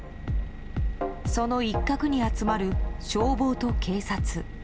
その一角に集まる消防と警察。